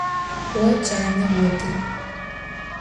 Vo cane vodı.